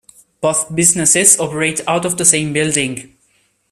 Both businesses operate out of the same building.